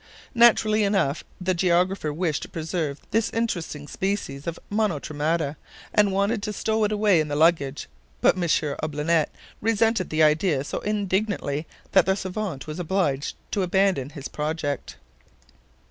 Naturally enough, the geographer wished to preserve this interesting specimen of monotremata, and wanted to stow it away in the luggage; but M. Olbinett resented the idea so indignantly, that the SAVANT was obliged to abandon his project.